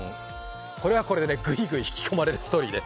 これはこれで、ぐいぐい引き込まれるストーリーです。